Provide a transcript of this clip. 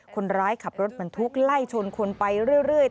คนร้ายขับรถบรรทุกไล่ชนคนไปเรื่อย